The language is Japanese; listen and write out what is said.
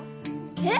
えっ！？